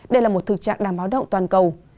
đây là một thực trạng đáng báo động toàn cầu